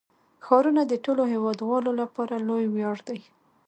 ښارونه د ټولو هیوادوالو لپاره لوی ویاړ دی.